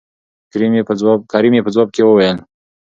کريم يې په ځواب کې وويل